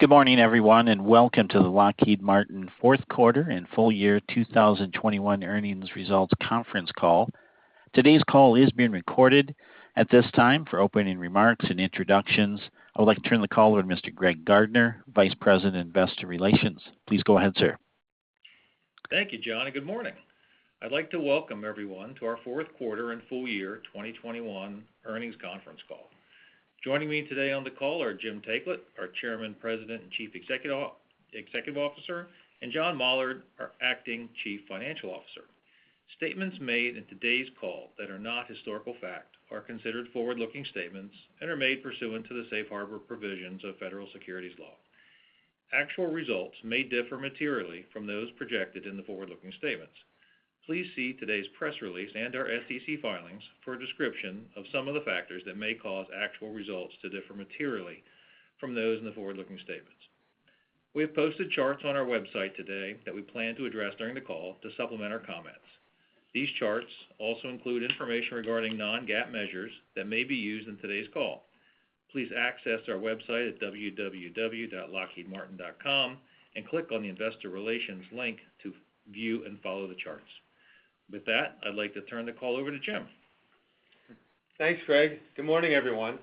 Good morning, everyone, and welcome to the Lockheed Martin fourth quarter and full year 2021 earnings results conference call. Today's call is being recorded. At this time, for opening remarks and introductions, I would like to turn the call over to Mr. Greg Gardner, Vice President, Investor Relations. Please go ahead, sir. Thank you, John, and good morning. I'd like to welcome everyone to our fourth quarter and full year 2021 earnings conference call. Joining me today on the call are Jim Taiclet, our Chairman, President, and Chief Executive Officer, and John Mollard, our Acting Chief Financial Officer. Statements made in today's call that are not historical fact are considered forward-looking statements and are made pursuant to the safe harbor provisions of federal securities law. Actual results may differ materially from those projected in the forward-looking statements. Please see today's press release and our SEC filings for a description of some of the factors that may cause actual results to differ materially from those in the forward-looking statements. We have posted charts on our website today that we plan to address during the call to supplement our comments. These charts also include information regarding non-GAAP measures that may be used in today's call. Please access our website at www.lockheedmartin.com and click on the Investor Relations link to view and follow the charts. With that, I'd like to turn the call over to Jim. Thanks, Greg. Good morning, everyone,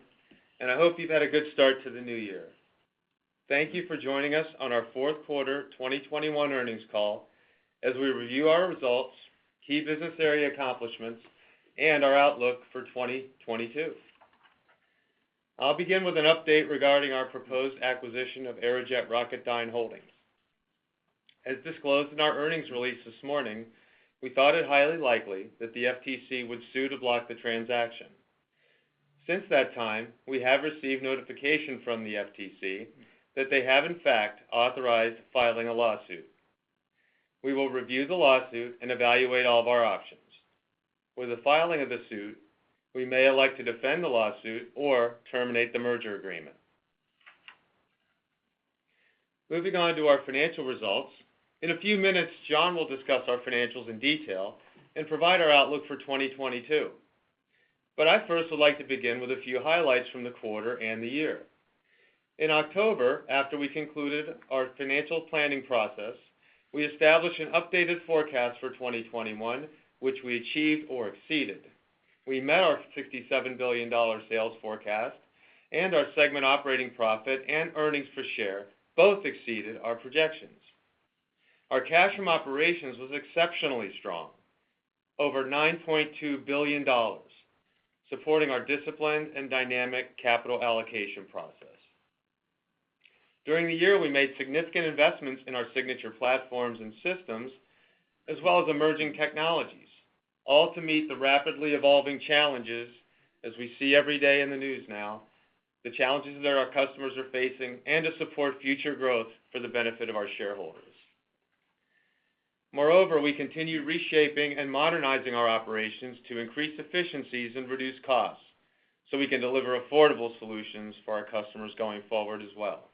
and I hope you've had a good start to the new year. Thank you for joining us on our fourth quarter 2021 earnings call as we review our results, key business area accomplishments, and our outlook for 2022. I'll begin with an update regarding our proposed acquisition of Aerojet Rocketdyne Holdings, Inc. As disclosed in our earnings release this morning, we thought it highly likely that the FTC would sue to block the transaction. Since that time, we have received notification from the FTC that they have in fact authorized filing a lawsuit. We will review the lawsuit and evaluate all of our options. With the filing of the suit, we may elect to defend the lawsuit or terminate the merger agreement. Moving on to our financial results, in a few minutes, John will discuss our financials in detail and provide our outlook for 2022. I first would like to begin with a few highlights from the quarter and the year. In October, after we concluded our financial planning process, we established an updated forecast for 2021, which we achieved or exceeded. We met our $67 billion sales forecast, and our segment operating profit and earnings per share both exceeded our projections. Our cash from operations was exceptionally strong, over $9.2 billion, supporting our disciplined and dynamic capital allocation process. During the year, we made significant investments in our signature platforms and systems as well as emerging technologies, all to meet the rapidly evolving challenges as we see every day in the news now, the challenges that our customers are facing, and to support future growth for the benefit of our shareholders. Moreover, we continue reshaping and modernizing our operations to increase efficiencies and reduce costs so we can deliver affordable solutions for our customers going forward as well.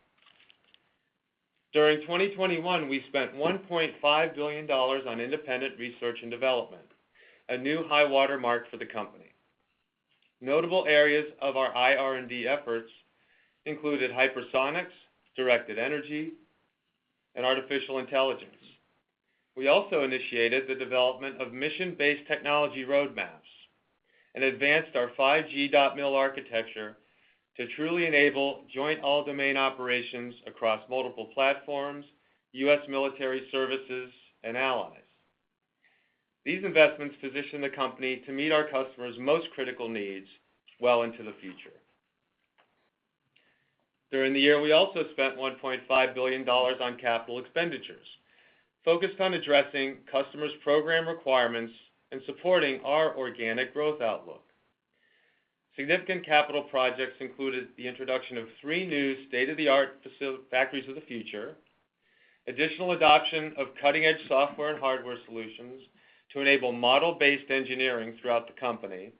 During 2021, we spent $1.5 billion on independent research and development, a new high water mark for the company. Notable areas of our IR&D efforts included hypersonics, directed energy, and artificial intelligence. We also initiated the development of mission-based technology roadmaps and advanced our 5G.MIL architecture to truly enable joint all-domain operations across multiple platforms, U.S. military services, and allies. These investments position the company to meet our customers' most critical needs well into the future. During the year, we also spent $1.5 billion on capital expenditures focused on addressing customers' program requirements and supporting our organic growth outlook. Significant capital projects included the introduction of three new state-of-the-art Factories of the Future, additional adoption of cutting-edge software and hardware solutions to enable model-based engineering throughout the company,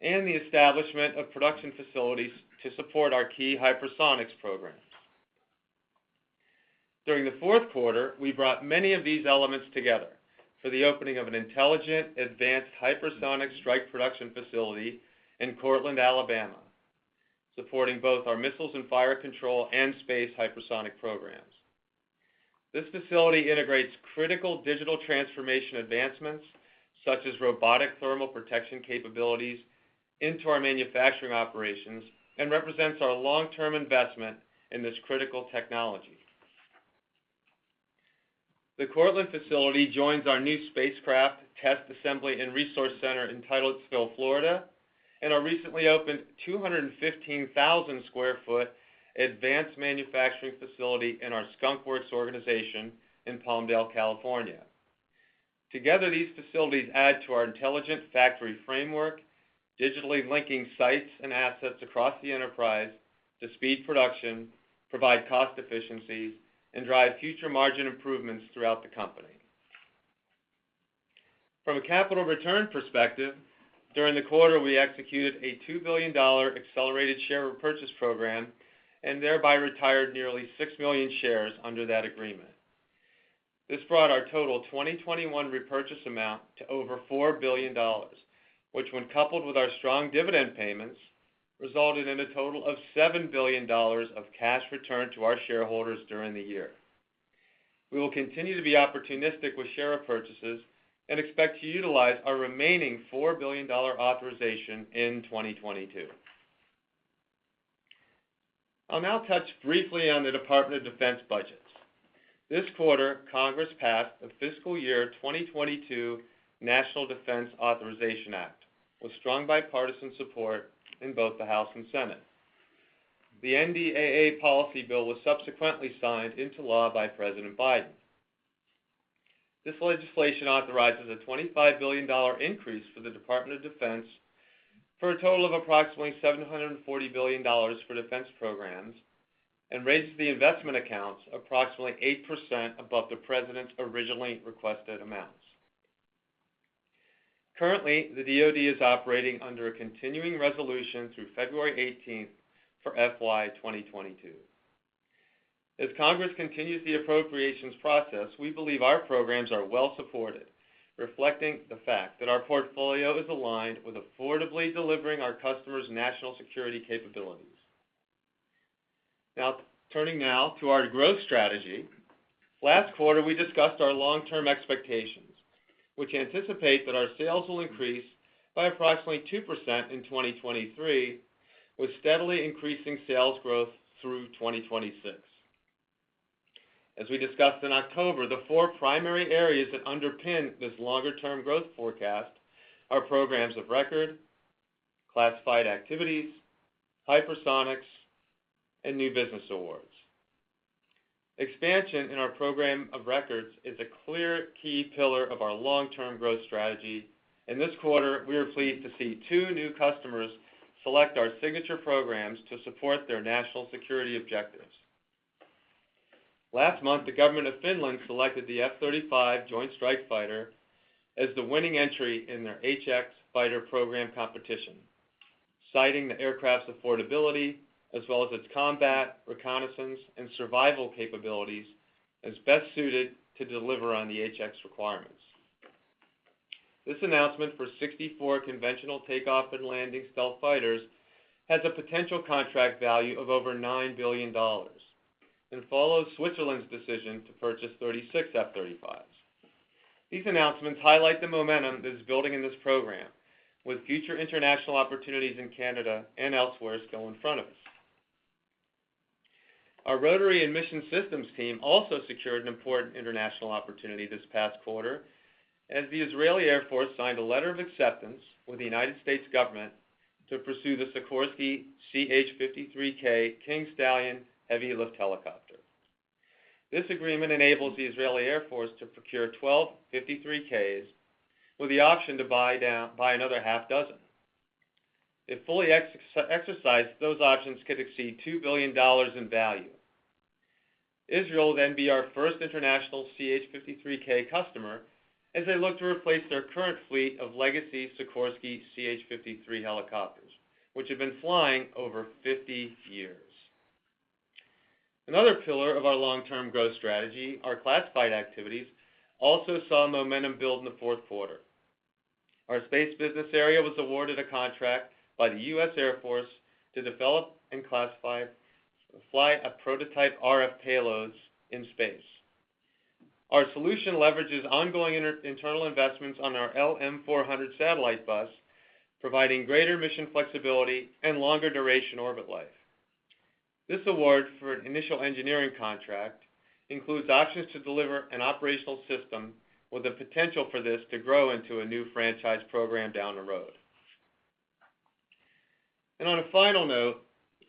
and the establishment of production facilities to support our key hypersonics programs. During the fourth quarter, we brought many of these elements together for the opening of an intelligent, advanced hypersonic strike production facility in Courtland, Alabama, supporting both our Missiles and Fire Control and Space hypersonic programs. This facility integrates critical digital transformation advancements such as robotic thermal protection capabilities into our manufacturing operations and represents our long-term investment in this critical technology. The Courtland facility joins our new spacecraft test assembly and resource center in Titusville, Florida, and our recently opened 215,000 sq ft advanced manufacturing facility in our Skunk Works organization in Palmdale, California. Together, these facilities add to our intelligent factory framework, digitally linking sites and assets across the enterprise to speed production, provide cost efficiencies, and drive future margin improvements throughout the company. From a capital return perspective, during the quarter, we executed a $2 billion accelerated share repurchase program and thereby retired nearly 6 million shares under that agreement. This brought our total 2021 repurchase amount to over $4 billion, which when coupled with our strong dividend payments, resulted in a total of $7 billion of cash returned to our shareholders during the year. We will continue to be opportunistic with share purchases and expect to utilize our remaining $4 billion authorization in 2022. I'll now touch briefly on the Department of Defense budget. This quarter, Congress passed a fiscal year 2022 National Defense Authorization Act with strong bipartisan support in both the House and Senate. The NDAA policy bill was subsequently signed into law by President Joe Biden. This legislation authorizes a $25 billion increase for the Department of Defense for a total of approximately $740 billion for defense programs, and raises the investment accounts approximately 8% above the President's originally requested amounts. Currently, the Department of Defense is operating under a continuing resolution through February 18th for FY 2022. As Congress continues the appropriations process, we believe our programs are well supported, reflecting the fact that our portfolio is aligned with affordably delivering our customers national security capabilities. Now, turning to our growth strategy. Last quarter, we discussed our long-term expectations. We can anticipate that our sales will increase by approximately 2% in 2023, with steadily increasing sales growth through 2026. As we discussed in October, the four primary areas that underpin this longer-term growth forecast are programs of record, classified activities, hypersonics, and new business awards. Expansion in our program of records is a clear key pillar of our long-term growth strategy, and this quarter, we are pleased to see two new customers select our signature programs to support their national security objectives. Last month, the government of Finland selected the F-35 Joint Strike Fighter as the winning entry in their HX Fighter Programme competition, citing the aircraft's affordability as well as its combat, reconnaissance, and survival capabilities as best suited to deliver on the HX requirements. This announcement for 64 conventional takeoff and landing stealth fighters has a potential contract value of over $9 billion and follows Switzerland's decision to purchase 36 F-35s. These announcements highlight the momentum that is building in this program, with future international opportunities in Canada and elsewhere still in front of us. Our Rotary and Mission Systems team also secured an important international opportunity this past quarter, as the Israeli Air Force signed a letter of acceptance with the United States government to pursue the Sikorsky CH-53K King Stallion heavy lift helicopter. This agreement enables the Israeli Air Force to procure 12 CH-53Ks with the option to buy down, buy another half dozen. If fully exercised, those options could exceed $2 billion in value. Israel will then be our first international CH-53K customer as they look to replace their current fleet of legacy Sikorsky CH-53 helicopters, which have been flying over 50 years. Another pillar of our long-term growth strategy, our classified activities, also saw momentum build in the fourth quarter. Our space business area was awarded a contract by the U.S. Air Force to develop and classify, fly a prototype RF payloads in space. Our solution leverages ongoing internal investments on our LM 400 satellite bus, providing greater mission flexibility and longer duration orbit life. This award for an initial engineering contract includes options to deliver an operational system with the potential for this to grow into a new franchise program down the road. On a final note,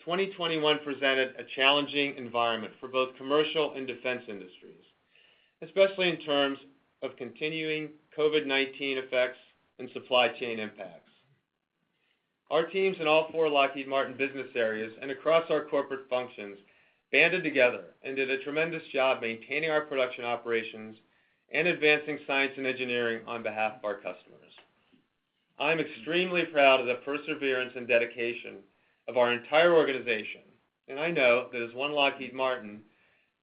2021 presented a challenging environment for both commercial and defense industries, especially in terms of continuing COVID-19 effects and supply chain impacts. Our teams in all four Lockheed Martin business areas and across our corporate functions banded together and did a tremendous job maintaining our production operations and advancing science and engineering on behalf of our customers. I'm extremely proud of the perseverance and dedication of our entire organization, and I know that as one Lockheed Martin,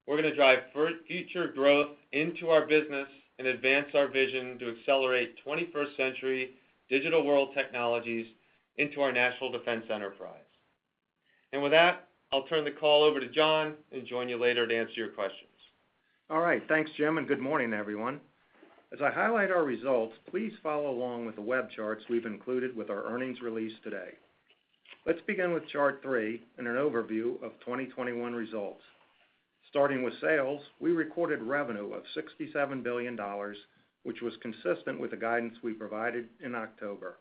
we're gonna drive future growth into our business and advance our vision to accelerate 21st century digital world technologies into our national defense enterprise. With that, I'll turn the call over to John and join you later to answer your questions. All right. Thanks, Jim, and good morning, everyone. As I highlight our results, please follow along with the web charts we've included with our earnings release today. Let's begin with chart three and an overview of 2021 results. Starting with sales, we recorded revenue of $67 billion, which was consistent with the guidance we provided in October.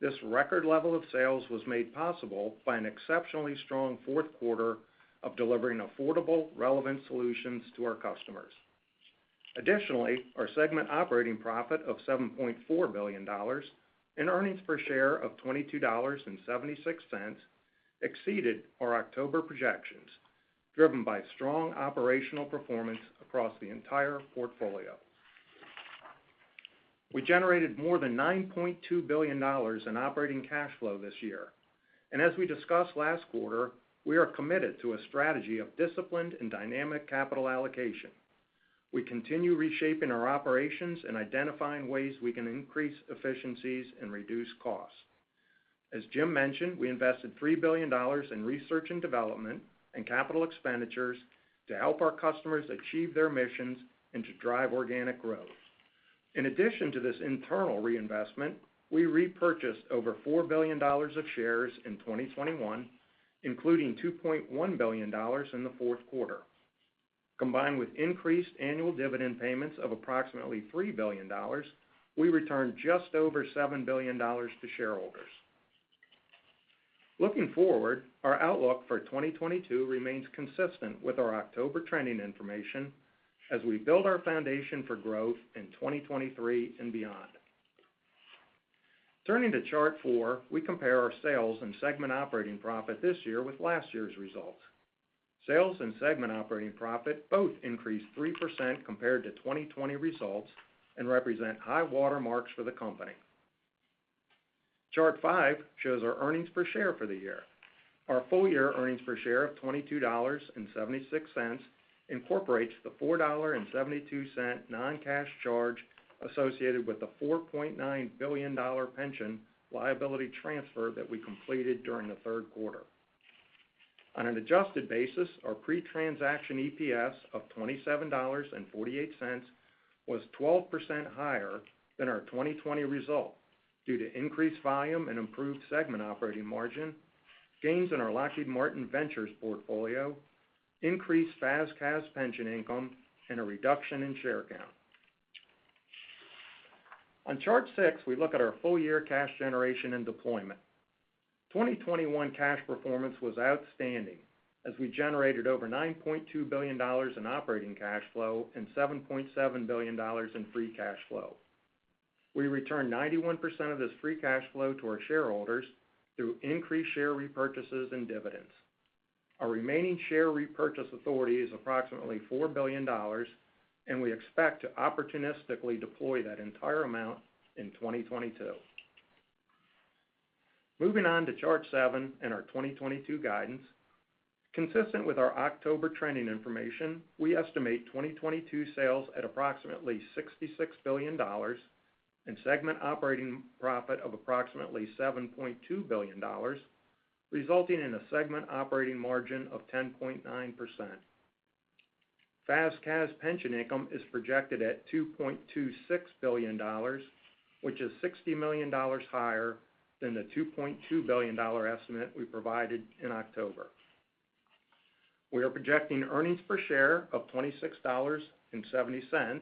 This record level of sales was made possible by an exceptionally strong fourth quarter of delivering affordable, relevant solutions to our customers. Additionally, our segment operating profit of $7.4 billion and earnings per share of $22.76 exceeded our October projections, driven by strong operational performance across the entire portfolio. We generated more than $9.2 billion in operating cash flow this year. As we discussed last quarter, we are committed to a strategy of disciplined and dynamic capital allocation. We continue reshaping our operations and identifying ways we can increase efficiencies and reduce costs. As Jim mentioned, we invested $3 billion in research and development and capital expenditures to help our customers achieve their missions and to drive organic growth. In addition to this internal reinvestment, we repurchased over $4 billion of shares in 2021, including $2.1 billion in the fourth quarter. Combined with increased annual dividend payments of approximately $3 billion, we returned just over $7 billion to shareholders. Looking forward, our outlook for 2022 remains consistent with our October trending information as we build our foundation for growth in 2023 and beyond. Turning to chart four, we compare our sales and segment operating profit this year with last year's results. Sales and segment operating profit both increased 3% compared to 2020 results and represent high water marks for the company. Chart five shows our earnings per share for the year. Our full year earnings per share of $22.76 incorporates the $4.72 non-cash charge associated with the $4.9 billion pension liability transfer that we completed during the third quarter. On an adjusted basis, our pre-transaction EPS of $27.48 was 12% higher than our 2020 result due to increased volume and improved segment operating margin, gains in our Lockheed Martin Ventures portfolio, increased FAS/CAS pension income, and a reduction in share count. On chart six, we look at our full year cash generation and deployment. 2021 cash performance was outstanding as we generated over $9.2 billion in operating cash flow and $7.7 billion in free cash flow. We returned 91% of this free cash flow to our shareholders through increased share repurchases and dividends. Our remaining share repurchase authority is approximately $4 billion, and we expect to opportunistically deploy that entire amount in 2022. Moving on to chart seven and our 2022 guidance. Consistent with our October trending information, we estimate 2022 sales at approximately $66 billion and segment operating profit of approximately $7.2 billion, resulting in a segment operating margin of 10.9%. FAS/CAS pension income is projected at $2.26 billion, which is $60 million higher than the $2.2 billion estimate we provided in October. We are projecting earnings per share of $26.70,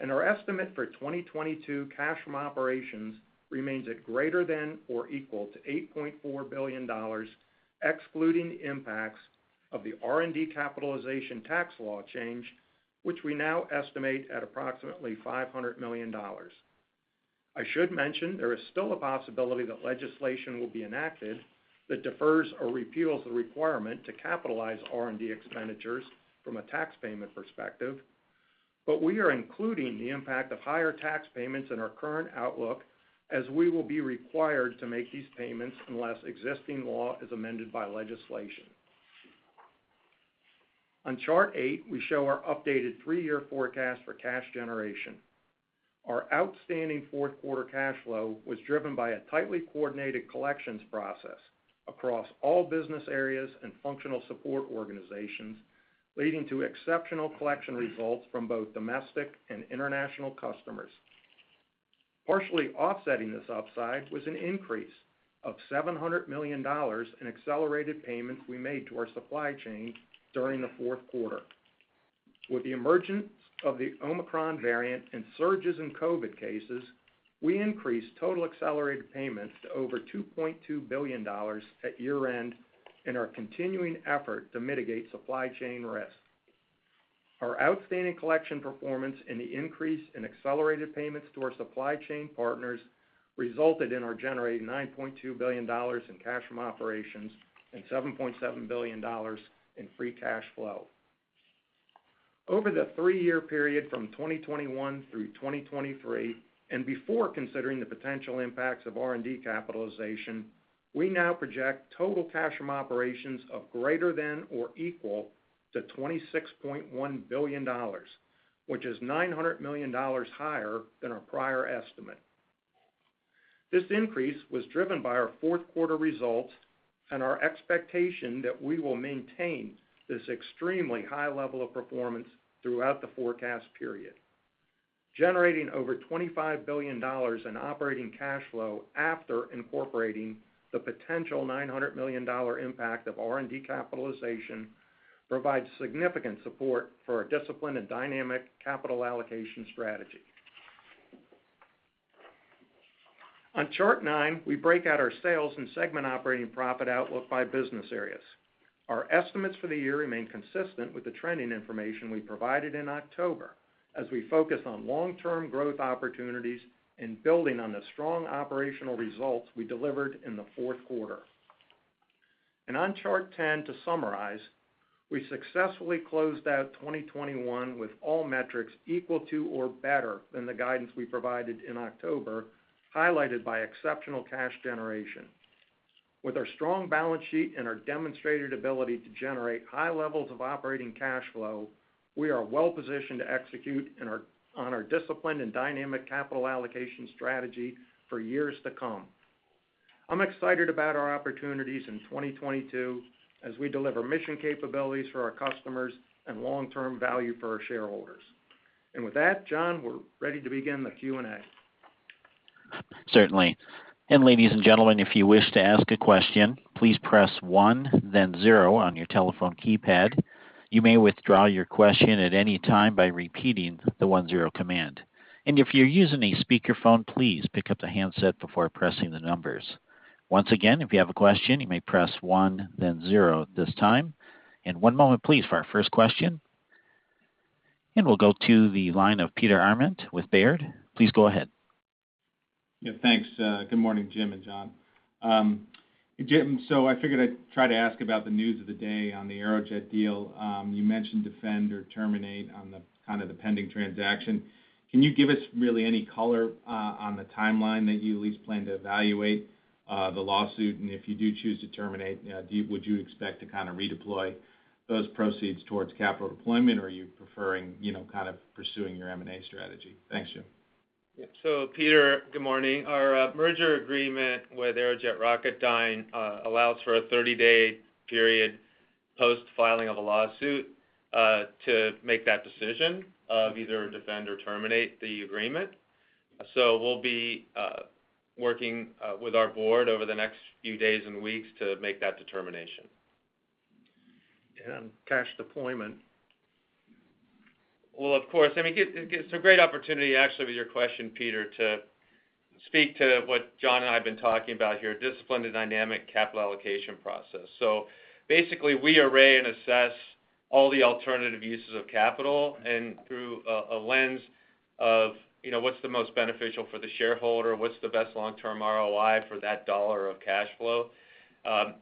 and our estimate for 2022 cash from operations remains at ≥ $8.4 billion, excluding the impacts of the R&D capitalization tax law change, which we now estimate at approximately $500 million. I should mention there is still a possibility that legislation will be enacted that defers or repeals the requirement to capitalize R&D expenditures from a tax payment perspective. We are including the impact of higher tax payments in our current outlook as we will be required to make these payments unless existing law is amended by legislation. On chart eight, we show our updated 3-year forecast for cash generation. Our outstanding fourth quarter cash flow was driven by a tightly coordinated collections process across all business areas and functional support organizations, leading to exceptional collection results from both domestic and international customers. Partially offsetting this upside was an increase of $700 million in accelerated payments we made to our supply chain during the fourth quarter. With the emergence of the Omicron variant and surges in COVID-19 cases, we increased total accelerated payments to over $2.2 billion at year-end in our continuing effort to mitigate supply chain risks. Our outstanding collection performance and the increase in accelerated payments to our supply chain partners resulted in our generating $9.2 billion in cash from operations and $7.7 billion in free cash flow. Over the 3-year period from 2021 through 2023, and before considering the potential impacts of R&D capitalization, we now project total cash from operations of greater than or equal to $26.1 billion, which is $900 million higher than our prior estimate. This increase was driven by our fourth quarter results and our expectation that we will maintain this extremely high level of performance throughout the forecast period. Generating over $25 billion in operating cash flow after incorporating the potential $900 million impact of R&D capitalization provides significant support for our disciplined and dynamic capital allocation strategy. On chart nine, we break out our sales and segment operating profit outlook by business areas. Our estimates for the year remain consistent with the trending information we provided in October, as we focus on long-term growth opportunities and building on the strong operational results we delivered in the fourth quarter. On chart 10, to summarize, we successfully closed out 2021 with all metrics equal to or better than the guidance we provided in October, highlighted by exceptional cash generation. With our strong balance sheet and our demonstrated ability to generate high levels of operating cash flow, we are well-positioned to execute on our disciplined and dynamic capital allocation strategy for years to come. I'm excited about our opportunities in 2022 as we deliver mission capabilities for our customers and long-term value for our shareholders. With that, John, we're ready to begin the Q&A. Certainly. Ladies and gentlemen, if you wish to ask a question, please press one then zero on your telephone keypad. You may withdraw your question at any time by repeating the one-zero command. If you're using a speakerphone, please pick up the handset before pressing the numbers. Once again, if you have a question, you may press one then zero at this time. One moment please for our first question. We'll go to the line of Peter Arment with Baird. Please go ahead. Yeah, thanks. Good morning, Jim and John. Jim, so I figured I'd try to ask about the news of the day on the Aerojet Rocketdyne Holdings, Inc. deal. You mentioned defend or terminate on the kind of the pending transaction. Can you give us really any color on the timeline that you at least plan to evaluate the lawsuit? And if you do choose to terminate, would you expect to kind of redeploy those proceeds towards capital deployment, or are you preferring, you know, kind of pursuing your M&A strategy? Thanks, Jim. Peter, good morning. Our merger agreement with Aerojet Rocketdyne Holdings, Inc., allows for a 30-day period post-filing of a lawsuit to make that decision of either defend or terminate the agreement. We'll be working with our board over the next few days and weeks to make that determination. And cash deployment. Well, of course. I mean, great opportunity, actually, with your question, Peter, to speak to what John and I have been talking about here, disciplined and dynamic capital allocation process. Basically, we array and assess all the alternative uses of capital through a lens of, you know, what's the most beneficial for the shareholder, what's the best long-term ROI for that dollar of cash flow.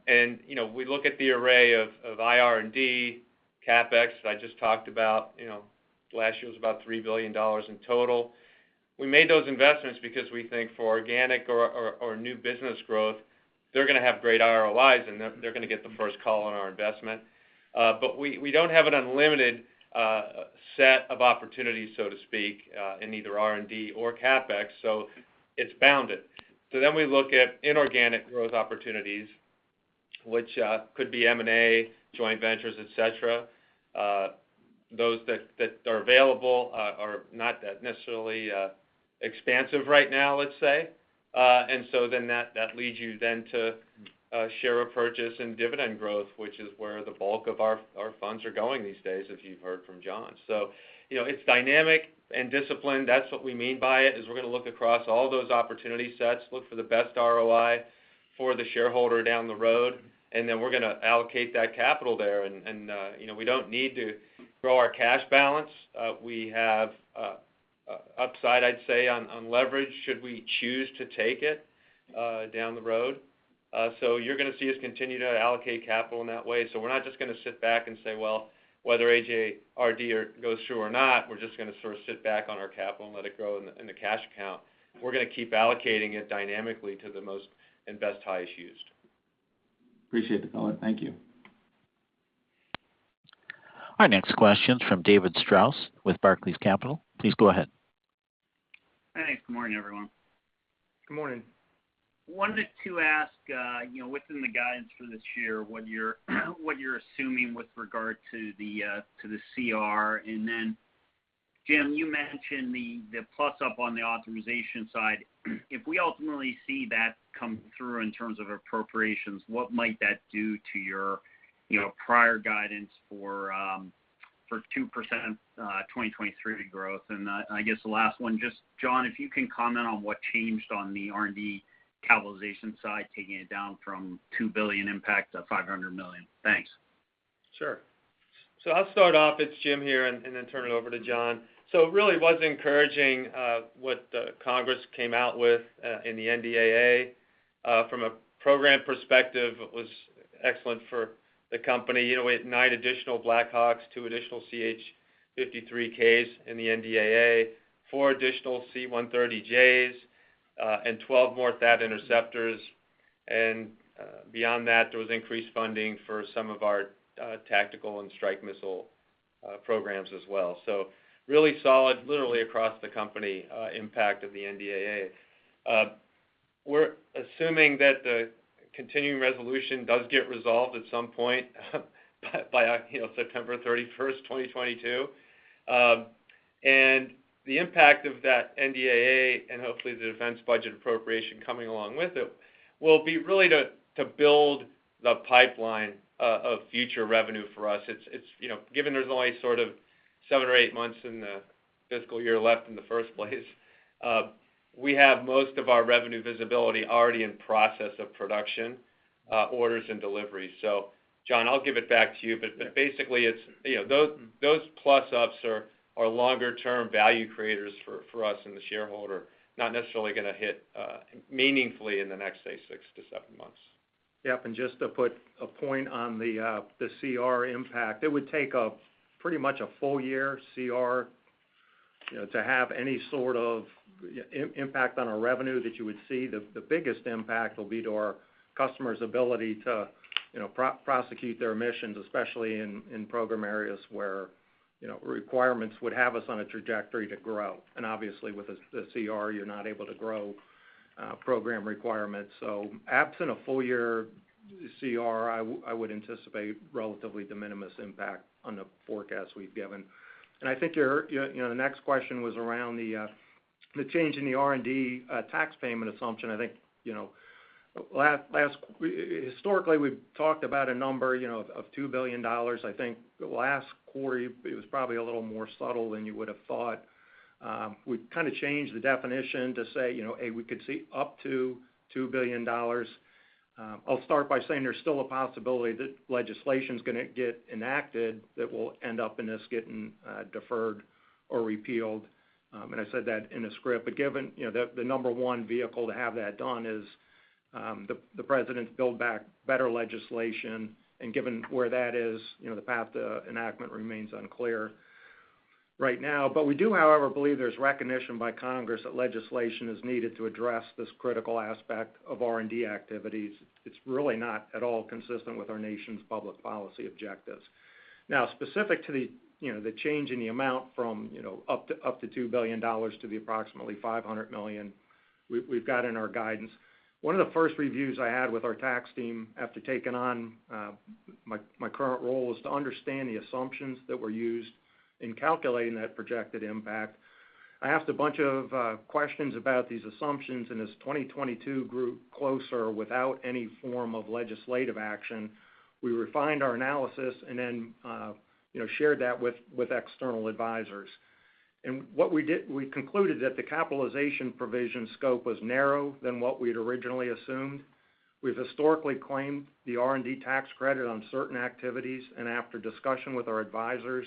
You know, we look at the array of IR&D, CapEx I just talked about, you know, last year was about $3 billion in total. We made those investments because we think for organic or new business growth, they're gonna have great ROIs, and they're gonna get the first call on our investment. We don't have an unlimited set of opportunities, so to speak, in either R&D or CapEx, so it's bounded. We look at inorganic growth opportunities, which could be M&A, joint ventures, et cetera. Those that are available are not necessarily expansive right now, let's say. That leads you to share repurchase and dividend growth, which is where the bulk of our funds are going these days, as you've heard from John. You know, it's dynamic and disciplined. That's what we mean by it, is we're gonna look across all those opportunity sets, look for the best ROI for the shareholder down the road, and then we're gonna allocate that capital there. You know, we don't need to grow our cash balance. We have upside, I'd say, on leverage, should we choose to take it down the road. You're gonna see us continue to allocate capital in that way. We're not just gonna sit back and say, "Well, whether Aerojet Rocketdyne Holdings, Inc. or goes through or not, we're just gonna sort of sit back on our capital and let it grow in the cash account." We're gonna keep allocating it dynamically to the most and best highest used. I appreciate the color. Thank you. Our next question is from David Strauss with Barclays Capital. Please go ahead. Thanks. Good morning, everyone. Good morning. Wanted to ask, you know, within the guidance for this year, what you're assuming with regard to the CR. Jim, you mentioned the plus-up on the authorization side. If we ultimately see that come through in terms of appropriations, what might that do to your prior guidance for 2% 2023 growth? I guess the last one, just John, if you can comment on what changed on the R&D capitalization side, taking it down from $2 billion impact to $500 million. Thanks. I'll start off, it's Jim here, and then turn it over to John. It really was encouraging what Congress came out with in the NDAA. From a program perspective, it was excellent for the company. You know, we had nine additional Black Hawks, two additional CH-53Ks in the NDAA, four additional C-130Js, and 12 more THAAD interceptors. Beyond that, there was increased funding for some of our tactical and strike missile programs as well. Really solid, literally across the company, impact of the NDAA. We're assuming that the continuing resolution does get resolved at some point by, you know, September 31st, 2022. The impact of that NDAA, and hopefully the defense budget appropriation coming along with it, will be really to build the pipeline of future revenue for us. It's, you know, given there's only sort of seven or eight months in the fiscal year left in the first place, we have most of our revenue visibility already in process of production, orders and deliveries. John, I'll give it back to you. Basically, it's, you know, those plus ups are longer term value creators for us and the shareholder, not necessarily gonna hit meaningfully in the next, say, 6-7 months. Yep. Just to put a point on the CR impact, it would take pretty much a full-year CR, you know, to have any sort of impact on our revenue that you would see. The biggest impact will be to our customers' ability to, you know, prosecute their missions, especially in program areas where, you know, requirements would have us on a trajectory to grow. Obviously with the CR, you're not able to grow program requirements. Absent a full-year CR, I would anticipate relatively de minimis impact on the forecast we've given. I think you know, the next question was around the change in the R&D tax payment assumption. I think you know, historically we've talked about a number you know of $2 billion. I think the last quarter, it was probably a little more subtle than you would have thought. We've kind of changed the definition to say, you know, A, we could see up to $2 billion. I'll start by saying there's still a possibility that legislation's gonna get enacted that will end up in this getting deferred or repealed. And I said that in the script. Given, you know, the number one vehicle to have that done is the president's Build Back Better legislation, and given where that is, you know, the path to enactment remains unclear right now. We do, however, believe there's recognition by Congress that legislation is needed to address this critical aspect of R&D activities. It's really not at all consistent with our nation's public policy objectives. Now, specific to the change in the amount from up to $2 billion to approximately $500 million we've got in our guidance. One of the first reviews I had with our tax team after taking on my current role is to understand the assumptions that were used in calculating that projected impact. I asked a bunch of questions about these assumptions, and as 2022 grew closer without any form of legislative action, we refined our analysis and then shared that with external advisors. What we did, we concluded that the capitalization provision scope was narrower than what we'd originally assumed. We've historically claimed the R&D tax credit on certain activities, and after discussion with our advisors,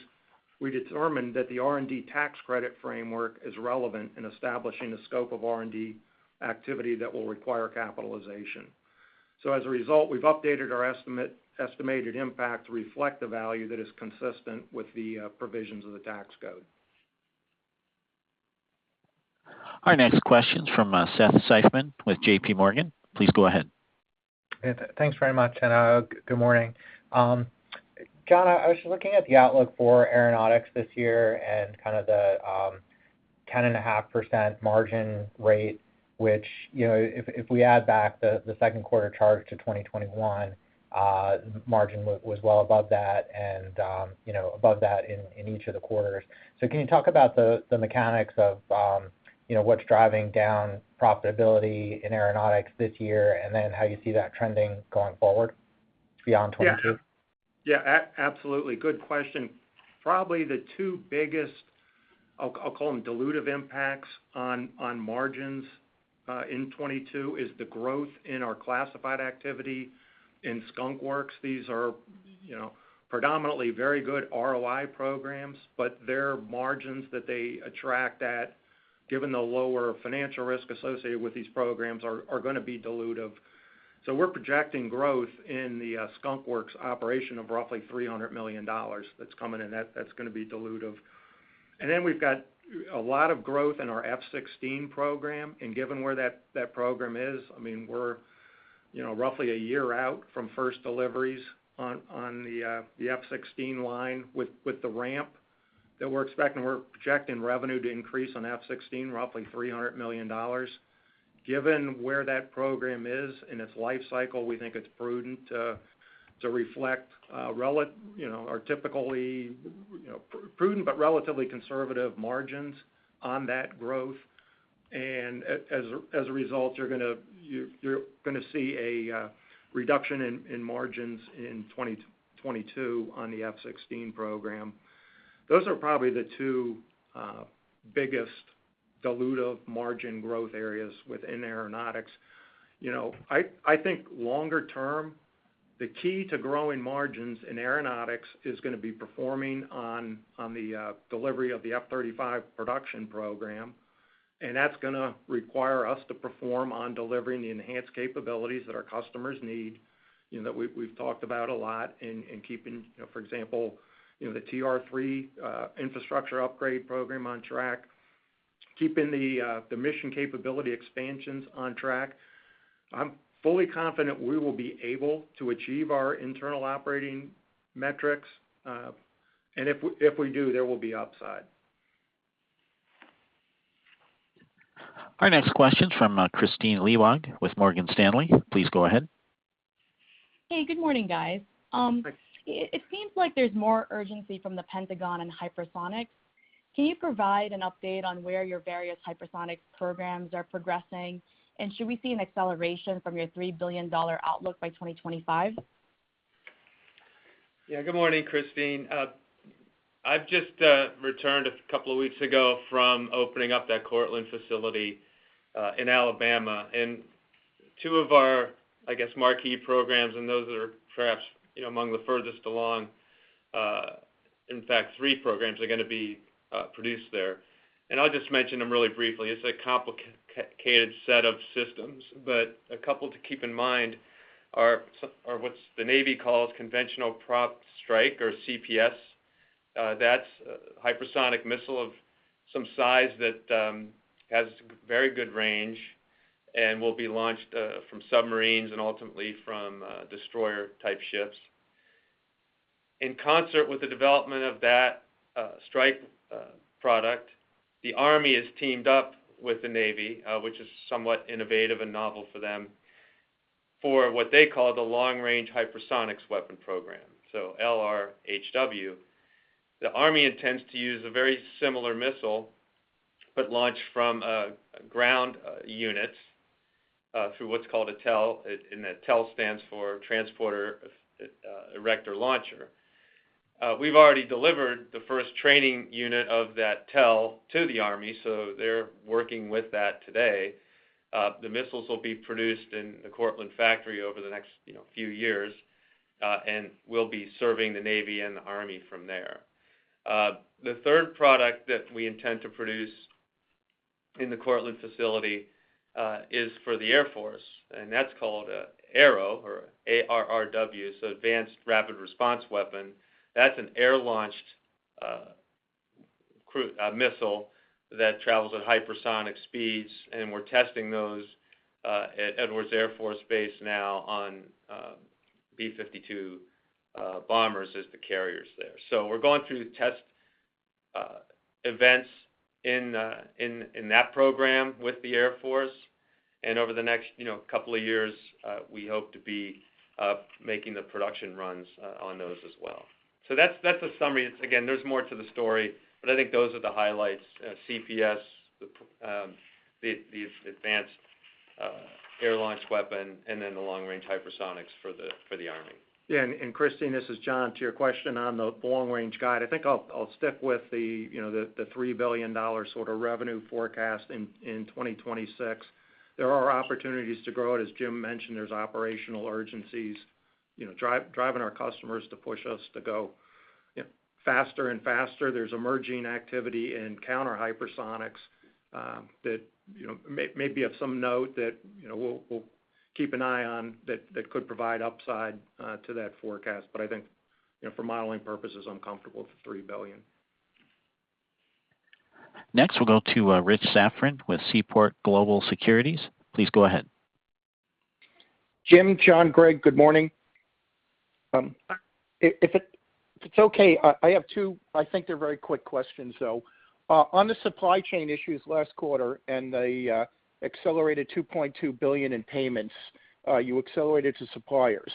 we determined that the R&D tax credit framework is relevant in establishing the scope of R&D activity that will require capitalization. As a result, we've updated our estimated impact to reflect the value that is consistent with the provisions of the tax code. Our next question's from, Seth Seifman with JPMorgan. Please go ahead. Thanks very much, good morning. John, I was just looking at the outlook for Aeronautics this year and kind of the 10.5% margin rate, which, you know, if we add back the second quarter charge to 2021, margin was well above that and, you know, above that in each of the quarters. Can you talk about the mechanics of, you know, what's driving down profitability in Aeronautics this year, and then how you see that trending going forward beyond 2022? Yeah. Absolutely. Good question. Probably the two biggest, I'll call them dilutive impacts on margins in 2022 is the growth in our classified activity in Skunk Works. These are, you know, predominantly very good ROI programs, but their margins that they attract at, given the lower financial risk associated with these programs are gonna be dilutive. We're projecting growth in the Skunk Works operation of roughly $300 million that's coming in, that's gonna be dilutive. We've got a lot of growth in our F-16 program, and given where that program is, I mean, we're, you know, roughly a year out from first deliveries on the F-16 line with the ramp that we're expecting. We're projecting revenue to increase on F-16 roughly $300 million. Given where that program is in its life cycle, we think it's prudent to reflect you know, our typical you know, prudent but relatively conservative margins on that growth. As a result, you're gonna see a reduction in margins in 2022 on the F-16 program. Those are probably the two biggest dilutive margin growth areas within Aeronautics. You know, I think longer term, the key to growing margins in Aeronautics is gonna be performing on the delivery of the F-35 production program, and that's gonna require us to perform on delivering the enhanced capabilities that our customers need, you know, that we've talked about a lot in keeping, for example, the TR-3 infrastructure upgrade program on track, keeping the mission capability expansions on track. I'm fully confident we will be able to achieve our internal operating metrics. If we do, there will be upside. Our next question from Kristine Liwag with Morgan Stanley. Please go ahead. Hey, good morning, guys. It seems like there's more urgency from the Pentagon in hypersonic. Can you provide an update on where your various hypersonic programs are progressing? Should we see an acceleration from your $3 billion outlook by 2025? Yeah. Good morning, Kristine. I've just returned a couple of weeks ago from opening up that Courtland facility in Alabama. Two of our, I guess, marquee programs, and those that are perhaps, you know, among the furthest along, in fact, three programs are gonna be produced there. I'll just mention them really briefly. It's a complicated set of systems, but a couple to keep in mind are what the U.S. Navy calls Conventional Prompt Strike or CPS. That's a hypersonic missile of some size that has very good range and will be launched from submarines and ultimately from destroyer-type ships. In concert with the development of that strike product, the U.S. Army has teamed up with the U.S. Navy, which is somewhat innovative and novel for them, for what they call the Long-Range Hypersonic Weapon program, so LRHW. The U.S. Army intends to use a very similar missile but launched from ground units through what's called a TEL, and a TEL stands for transporter erector launcher. We've already delivered the first training unit of that TEL to the U.S. Army, so they're working with that today. The missiles will be produced in the Courtland factory over the next, you know, few years, and will be serving the U.S. Navy and the U.S. Army from there. The third product that we intend to produce in the Courtland facility is for the U.S. Air Force, and that's called ARRW or A-R-R-W, so Air-Launched Rapid Response Weapon. That's an air-launched missile that travels at hypersonic speeds, and we're testing those at Edwards Air Force Base now on B-52 bombers as the carriers there. We're going through test events in that program with the U.S. Air Force, and over the next, you know, couple of years, we hope to be making the production runs on those as well. That's the summary. Again, there's more to the story, but I think those are the highlights, CPS, the advanced air-launched weapon, and then the long-range hypersonics for the U.S. Army. Yeah, Kristine, this is John. To your question on the long-range glide, I think I'll stick with you know the $3 billion sort of revenue forecast in 2026. There are opportunities to grow. As Jim mentioned, there's operational urgencies you know driving our customers to push us to go you know faster and faster. There's emerging activity in counter-hypersonics that you know may be of some note that you know we'll keep an eye on that could provide upside to that forecast. But I think you know for modeling purposes, I'm comfortable with the $3 billion. Next, we'll go to Richard Safran with Seaport Global Securities. Please go ahead. Jim, John, Greg, good morning. If it's okay, I have two, I think they're very quick questions, though. On the supply chain issues last quarter and the accelerated $2.2 billion in payments you accelerated to suppliers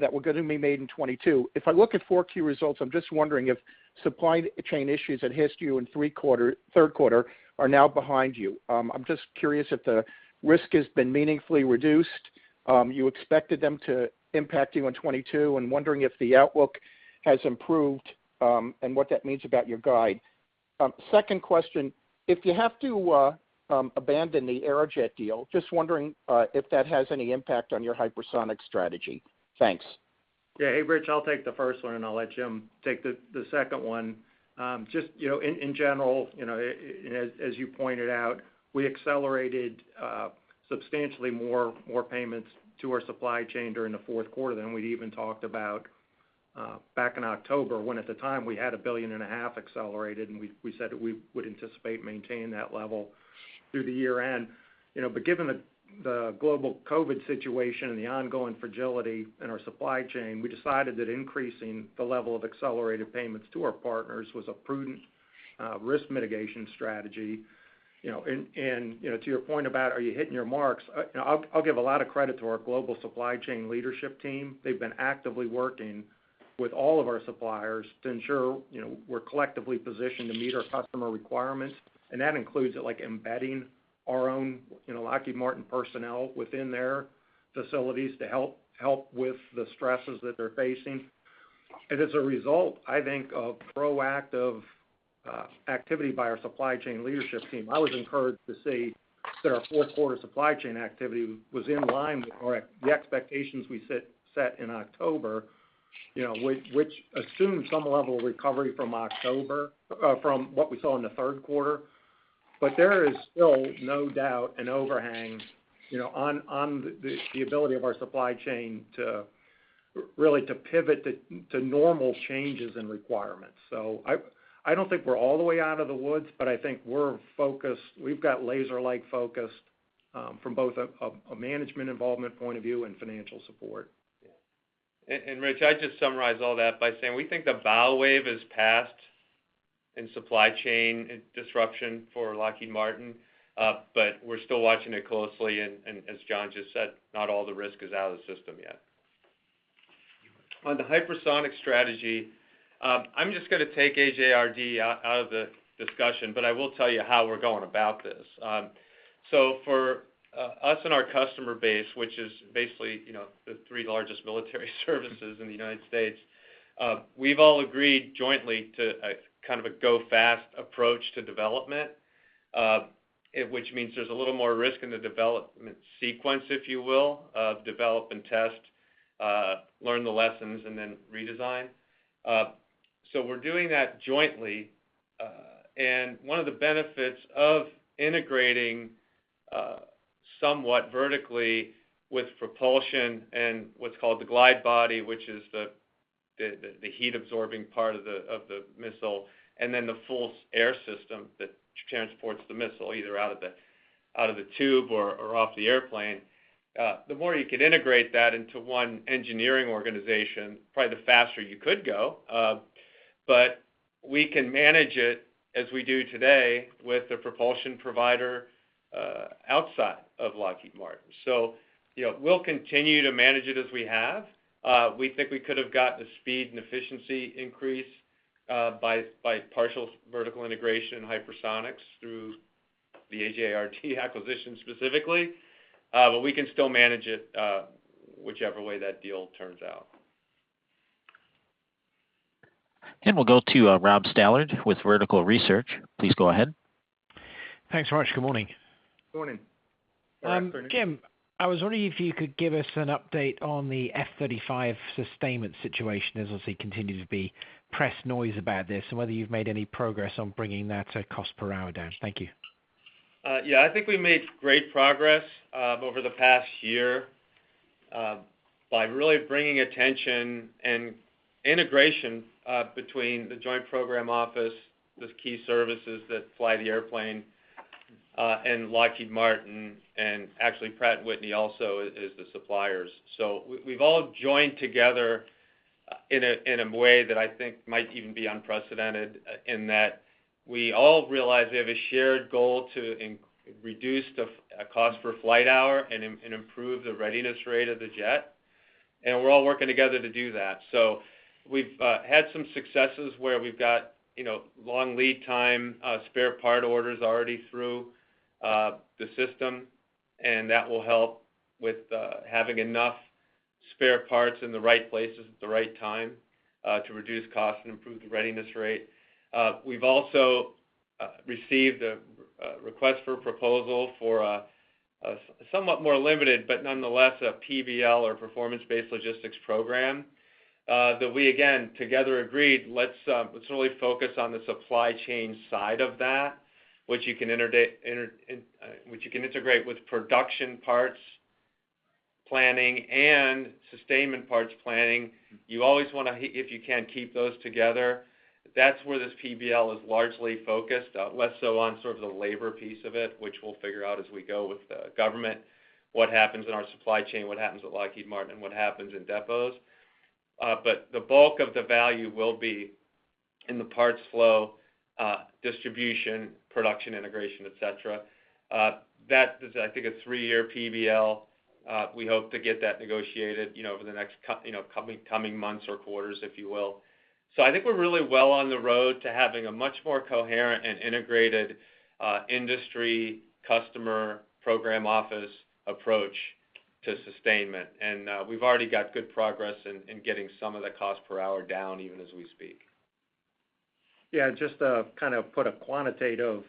that were gonna be made in 2022. If I look at 4Q results, I'm just wondering if supply chain issues that hit you in third quarter are now behind you. I'm just curious if the risk has been meaningfully reduced. You expected them to impact you in 2022 and wondering if the outlook has improved, and what that means about your guide. Second question, if you have to abandon the Aerojet Rocketdyne Holdings, Inc. deal, just wondering if that has any impact on your hypersonic strategy. Thanks. Hey, Rich, I'll take the first one, and I'll let Jim take the second one. Just, you know, in general, you know, as you pointed out, we accelerated substantially more payments to our supply chain during the fourth quarter than we'd even talked about back in October, when at the time we had $1.5 billion accelerated, and we said that we would anticipate maintaining that level through the year-end. Given the global COVID situation and the ongoing fragility in our supply chain, we decided that increasing the level of accelerated payments to our partners was a prudent risk mitigation strategy. You know, to your point about are you hitting your marks, you know, I'll give a lot of credit to our global supply chain leadership team. They've been actively working with all of our suppliers to ensure, you know, we're collectively positioned to meet our customer requirements, and that includes, like, embedding our own, you know, Lockheed Martin personnel within their facilities to help with the stresses that they're facing. As a result, I think, of proactive activity by our supply chain leadership team, I was encouraged to see that our fourth-quarter supply chain activity was in line with the expectations we set in October, you know, which assumed some level of recovery from what we saw in the third quarter. There is still no doubt an overhang, you know, on the ability of our supply chain to really pivot to normal changes in requirements. I don't think we're all the way out of the woods, but I think we're focused. We've got laser-like focus from both a management involvement point of view and financial support. Rich, I'd just summarize all that by saying we think the bow wave has passed in supply chain disruption for Lockheed Martin, but we're still watching it closely, and as John just said, not all the risk is out of the system yet. On the hypersonic strategy, I'm just gonna take Aerojet Rocketdyne Holdings, Inc. out of the discussion, but I will tell you how we're going about this. For us and our customer base, which is basically, you know, the three largest military services in the United States, we've all agreed jointly to a kind of a go fast approach to development. Which means there's a little more risk in the development sequence, if you will, of develop and test, learn the lessons, and then redesign. We're doing that jointly. One of the benefits of integrating somewhat vertically with propulsion and what's called the glide body, which is the heat-absorbing part of the missile, and then the full sea-air system that transports the missile, either out of the tube or off the airplane. The more you can integrate that into one engineering organization, probably the faster you could go. We can manage it as we do today with a propulsion provider outside of Lockheed Martin. You know, we'll continue to manage it as we have. We think we could have gotten the speed and efficiency increase by partial vertical integration and hypersonics through the Aerojet Rocketdyne Holdings, Inc. acquisition specifically. We can still manage it whichever way that deal turns out. We'll go to Rob Stallard with Vertical Research. Please go ahead. Thanks very much. Good morning. Good morning. Jim, I was wondering if you could give us an update on the F-35 sustainment situation, as obviously continued to be press noise about this, and whether you've made any progress on bringing that cost per hour down. Thank you. Yeah. I think we made great progress over the past year by really bringing attention and integration between the Joint Program Office, the key services that fly the airplane, and Lockheed Martin, and actually Pratt & Whitney also, the suppliers. We've all joined together in a way that I think might even be unprecedented in that we all realize we have a shared goal to reduce the cost per flight hour and improve the readiness rate of the jet. We're all working together to do that. We've had some successes where we've got, you know, long lead time spare part orders already through the system, and that will help with having enough spare parts in the right places at the right time to reduce cost and improve the readiness rate. We've also received a request for a proposal for a somewhat more limited, but nonetheless a PBL or performance based logistics program that we again, together agreed, let's really focus on the supply chain side of that, which you can integrate with production parts planning and sustainment parts planning. You always wanna, if you can, keep those together. That's where this PBL is largely focused, less so on sort of the labor piece of it, which we'll figure out as we go with the government, what happens in our supply chain, what happens with Lockheed Martin, and what happens in depots. But the bulk of the value will be in the parts flow, distribution, production, integration, et cetera. That is I think a 3-year PBL. We hope to get that negotiated, you know, over the next coming months or quarters, if you will. I think we're really well on the road to having a much more coherent and integrated industry customer program office approach to sustainment. We've already got good progress in getting some of the cost per hour down even as we speak. Yeah, just to kind of put a quantitative,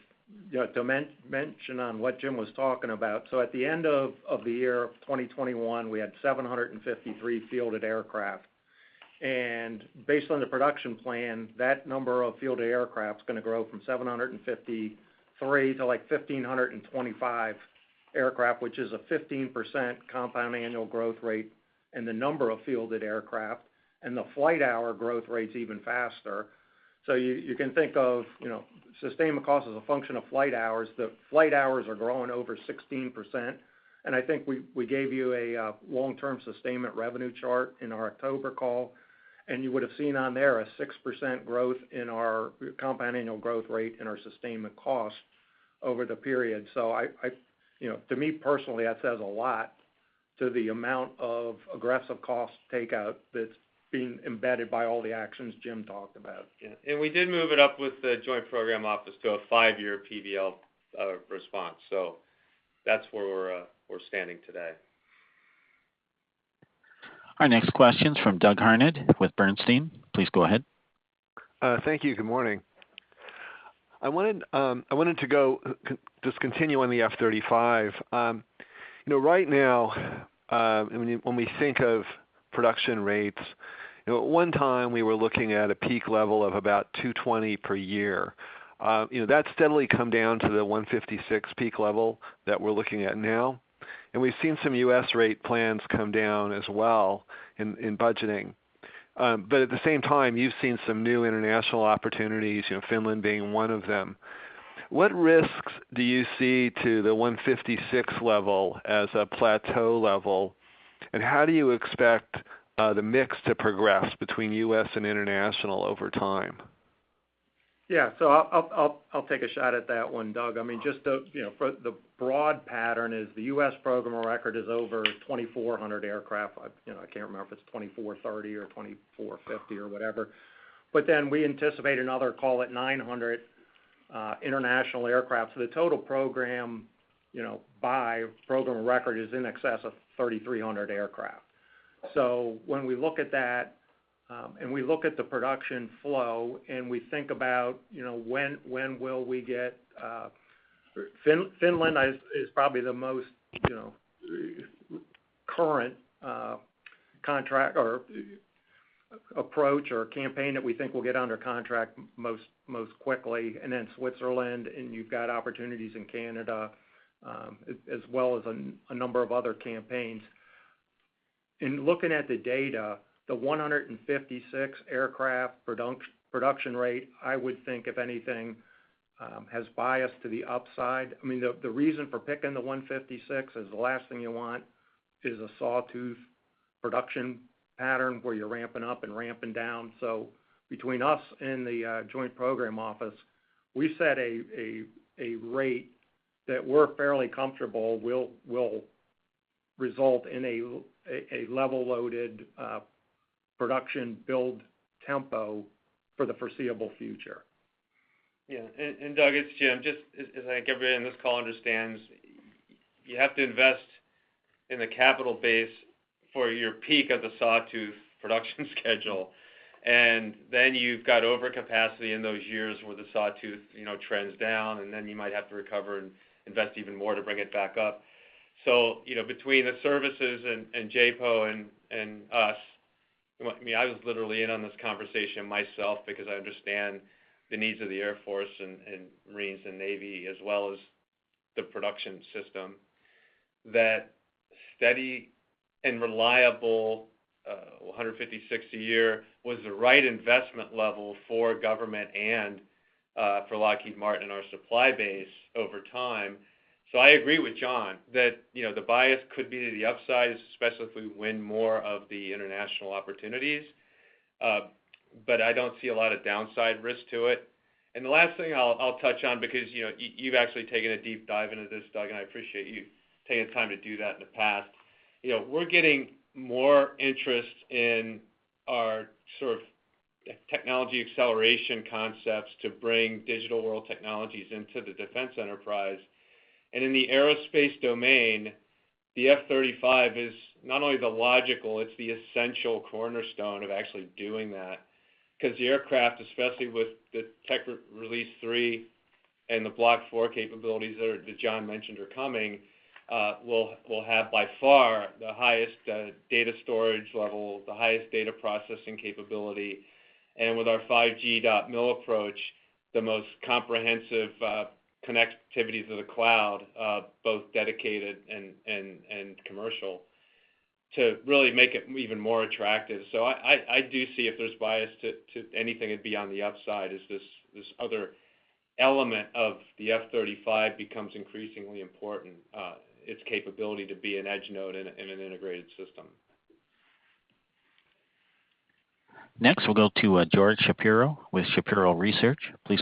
you know, to mention on what Jim was talking about. At the end of the year of 2021, we had 753 fielded aircraft. Based on the production plan, that number of fielded aircraft is gonna grow from 753 to like 1,525 aircraft, which is a 15% compound annual growth rate in the number of fielded aircraft. The flight hour growth rate's even faster. You can think of, you know, sustainment cost as a function of flight hours. The flight hours are growing over 16%. I think we gave you a long-term sustainment revenue chart in our October call, and you would have seen on there a 6% growth in our compound annual growth rate in our sustainment cost over the period. To me personally, that says a lot to the amount of aggressive cost takeout that's being embedded by all the actions Jim talked about. Yeah. We did move it up with the Joint Program Office to a 5-year PBL response. That's where we're standing today. Our next question's from Doug Harned with Bernstein. Please go ahead. Thank you. Good morning. I wanted to just continue on the F-35. You know, right now, when we think of production rates, you know, at one time, we were looking at a peak level of about 220 per year. You know, that's steadily come down to the 156 peak level that we're looking at now. We've seen some U.S. rate plans come down as well in budgeting. But at the same time, you've seen some new international opportunities, you know, Finland being one of them. What risks do you see to the 156 level as a plateau level, and how do you expect the mix to progress between U.S. and international over time? Yeah. I'll take a shot at that one, Doug. I mean, just you know, the broad pattern is the U.S. program of record is over 2,400 aircraft. You know, I can't remember if it's 2,430 or 2,450 or whatever. But then we anticipate another, call it 900 international aircraft. The total program, you know, by program of record is in excess of 3,300 aircraft. When we look at that, and we look at the production flow, and we think about, you know, when will we get, Finland is probably the most current contract or approach or campaign that we think will get under contract most quickly, and then Switzerland, and you've got opportunities in Canada, as well as a number of other campaigns. In looking at the data, the 156 aircraft production rate, I would think if anything, has bias to the upside. I mean, the reason for picking the 156 is the last thing you want is a sawtooth production pattern where you're ramping up and ramping down. Between us and the Joint Program Office, we set a rate that we're fairly comfortable will result in a level loaded production build tempo for the foreseeable future. Yeah. Doug, it's Jim. Just as I think everybody on this call understands, you have to invest in the capital base for your peak of the sawtooth production schedule. Then you've got overcapacity in those years where the sawtooth, you know, trends down, and then you might have to recover and invest even more to bring it back up. You know, between the services and Joint Program Office and us, I mean, I was literally in on this conversation myself because I understand the needs of the U.S. Air Force and U.S. Marine Corps and U.S. Navy, as well as the production system, that steady and reliable 156 a year was the right investment level for government and for Lockheed Martin and our supply base over time. I agree with John that, you know, the bias could be to the upside, especially if we win more of the international opportunities. I don't see a lot of downside risk to it. The last thing I'll touch on because, you know, you've actually taken a deep dive into this, Doug, and I appreciate you taking the time to do that in the past. You know, we're getting more interest in our sort of technology acceleration concepts to bring digital world technologies into the defense enterprise. In the aerospace domain, the F-35 is not only the logical, it's the essential cornerstone of actually doing that. 'Cause the aircraft, especially with the TR-3 and the Block 4 capabilities that John mentioned are coming, will have by far the highest data storage level, the highest data processing capability. With our 5G.MIL approach, the most comprehensive connectivity to the cloud, both dedicated and commercial to really make it even more attractive. I do see if there's bias to anything, it'd be on the upside as this other element of the F-35 becomes increasingly important, its capability to be an edge node in an integrated system. Next, we'll go to George Shapiro with Shapiro Research. Please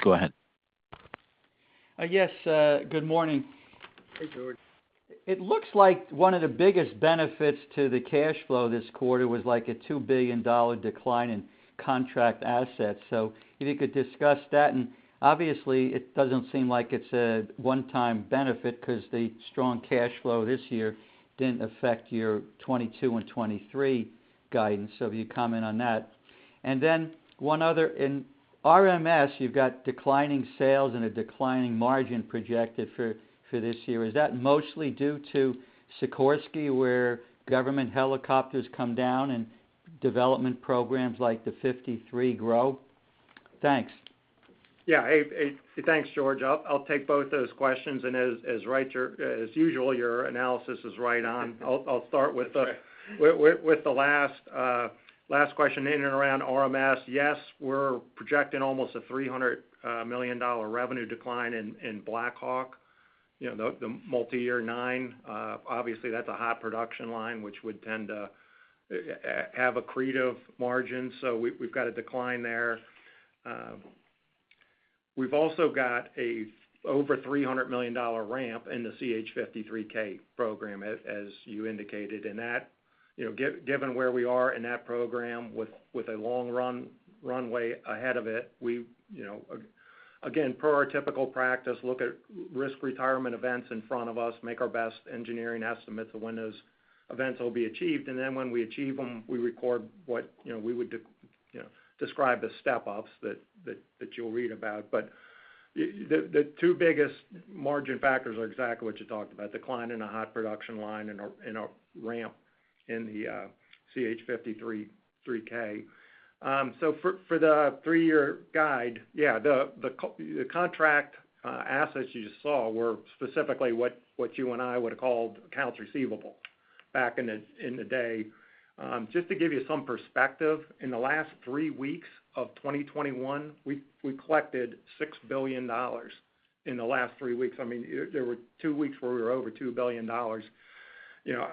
go ahead. Yes, good morning. Hey, George. It looks like one of the biggest benefits to the cash flow this quarter was like a $2 billion decline in contract assets. If you could discuss that, and obviously it doesn't seem like it's a one-time benefit because the strong cash flow this year didn't affect your 2022 and 2023 guidance. If you comment on that. Then one other, in RMS, you've got declining sales and a declining margin projected for this year. Is that mostly due to Sikorsky, where government helicopters come down and development programs like the CH-53K grow? Thanks. Hey, thanks, George. I'll take both those questions. As usual, your analysis is right on. I'll start with the- That's right. With the last question in and around RMS, yes, we're projecting almost a $300 million revenue decline in Black Hawk. You know, the multi-year nine, obviously that's a high production line, which would tend to have accretive margins. So we've got a decline there. We've also got over a $300 million ramp in the CH-53K program as you indicated. That, you know, given where we are in that program with a long runway ahead of it, we, you know, again, per our typical practice, look at risk retirement events in front of us, make our best engineering estimate to when those events will be achieved, and then when we achieve them, we record what, you know, we would describe the step-ups that you'll read about. The two biggest margin factors are exactly what you talked about, decline in the F-35 production line and a ramp in the CH-53K. For the 3-year guide, yeah, the contract assets you just saw were specifically what you and I would have called accounts receivable back in the day. Just to give you some perspective, in the last three weeks of 2021, we collected $6 billion in the last three weeks. I mean, there were two weeks where we were over $2 billion. You know,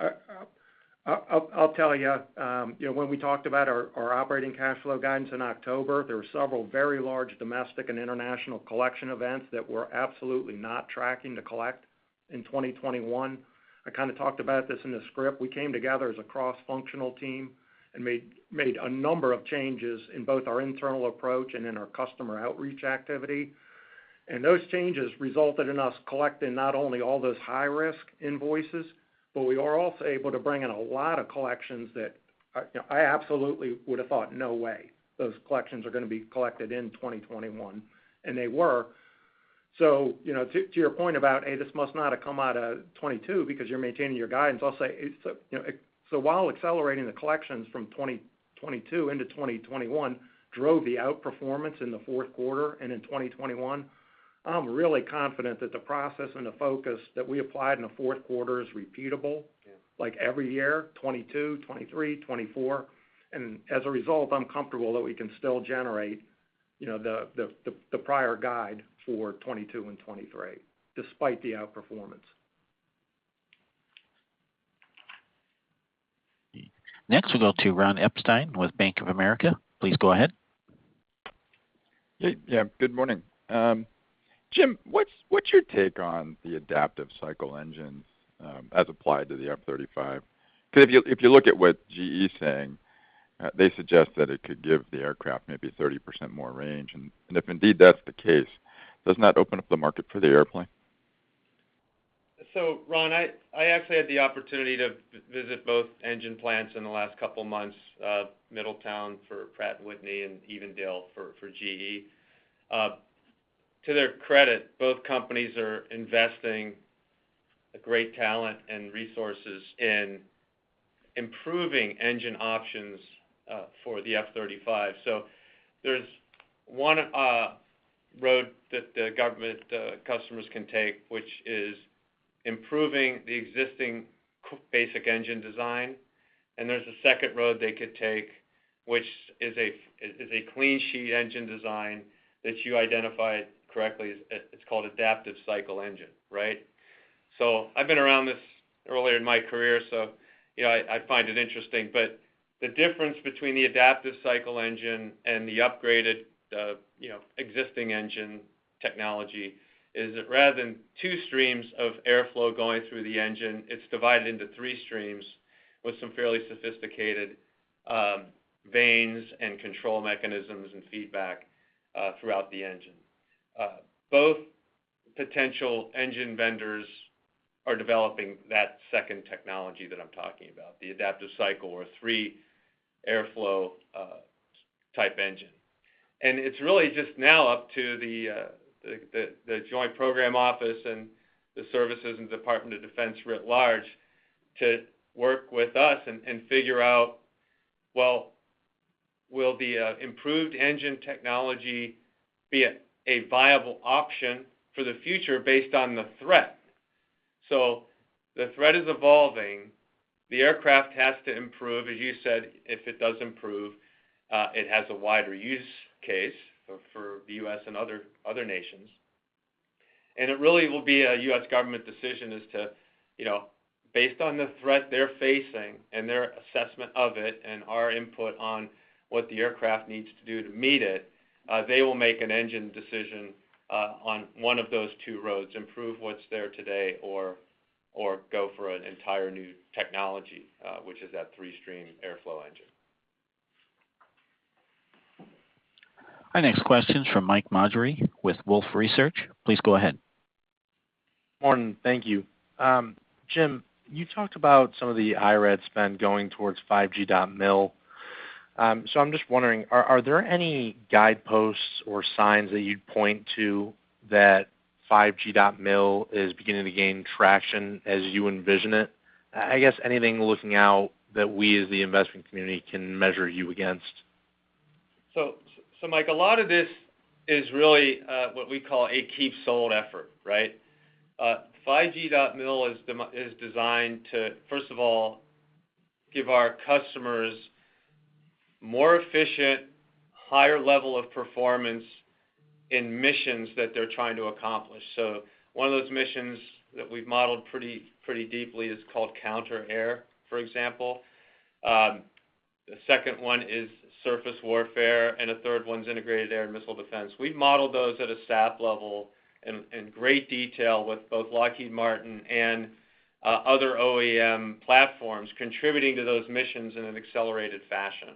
I'll tell you know, when we talked about our operating cash flow guidance in October, there were several very large domestic and international collection events that we're absolutely not tracking to collect in 2021. I kind of talked about this in the script. We came together as a cross-functional team and made a number of changes in both our internal approach and in our customer outreach activity. Those changes resulted in us collecting not only all those high-risk invoices, but we are also able to bring in a lot of collections that, you know, I absolutely would have thought, "no way those collections are gonna be collected in 2021", and they were. You know, to your point about, "Hey, this must not have come out of 2022 because you're maintaining your guidance," I'll say it's, you know, so while accelerating the collections from 2022 into 2021 drove the outperformance in the fourth quarter and in 2021, I'm really confident that the process and the focus that we applied in the fourth quarter is repeatable. Yeah. Like every year, 2022, 2023, 2024. As a result, I'm comfortable that we can still generate, you know, the prior guidance for 2022 and 2023, despite the outperformance. Next, we go to Ron Epstein with Bank of America. Please go ahead. Yeah. Good morning. Jim, what's your take on the adaptive cycle engines as applied to the F-35? 'Cause if you look at what GE's saying, they suggest that it could give the aircraft maybe 30% more range. If indeed that's the case, doesn't that open up the market for the airplane? Ron, I actually had the opportunity to visit both engine plants in the last couple months, Middletown for Pratt & Whitney and Evendale for GE. To their credit, both companies are investing a great talent and resources in improving engine options for the F-35. There's one road that the government customers can take, which is improving the existing basic engine design, and there's a second road they could take, which is a clean sheet engine design that you identified correctly. It's called adaptive cycle engine, right? I've been around this earlier in my career, you know, I find it interesting. The difference between the adaptive cycle engine and the upgraded, you know, existing engine technology is that rather than two streams of airflow going through the engine, it's divided into three streams with some fairly sophisticated vanes and control mechanisms and feedback throughout the engine. Both potential engine vendors are developing that second technology that I'm talking about, the adaptive cycle or three airflow type engine. It's really just now up to the Joint Program Office and the services and Department of Defense writ large to work with us and figure out well, will the improved engine technology be a viable option for the future based on the threat. The threat is evolving. The aircraft has to improve. As you said, if it does improve, it has a wider use case for the U.S. and other nations. It really will be a U.S. government decision as to, based on the threat they're facing and their assessment of it and our input on what the aircraft needs to do to meet it, they will make an engine decision on one of those two roads, improve what's there today or go for an entire new technology, which is that three-stream airflow engine. Our next question's from Mike Maugeri with Wolfe Research. Please go ahead. Morning. Thank you. Jim, you talked about some of the IR&D spend going towards 5G.MIL. So I'm just wondering, are there any guideposts or signs that you'd point to that 5G.MIL is beginning to gain traction as you envision it? I guess anything looking out that we as the investment community can measure you against. Mike, a lot of this is really what we call a keep sold effort, right? 5G.MIL is designed to, first of all, give our customers more efficient, higher level of performance in missions that they're trying to accomplish. One of those missions that we've modeled pretty deeply is called counter-air, for example. The second one is surface warfare, and the third one's integrated air and missile defense. We've modeled those at a SAP level in great detail with both Lockheed Martin and other OEM platforms contributing to those missions in an accelerated fashion.